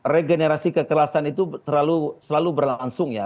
regenerasi kekerasan itu selalu berlangsung ya